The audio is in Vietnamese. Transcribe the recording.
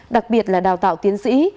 đặc biệt là đào tạo tiến sĩ